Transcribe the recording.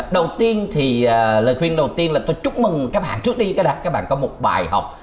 đầu tiên thì lời khuyên đầu tiên là tôi chúc mừng các bạn trước đi tôi đặt các bạn có một bài học